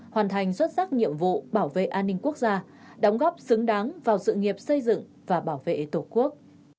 hoàn thành xuất sắc nhiệm vụ bảo vệ an ninh quốc gia đóng góp xứng đáng vào sự nghiệp xây dựng và bảo vệ tổ quốc